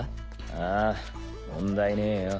あぁ問題ねえよ。